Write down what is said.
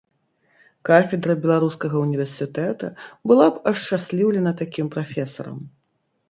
Кафедра беларускага ўніверсітэта была б ашчасліўлена такім прафесарам.